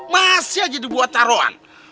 masih aja dibuat taruhan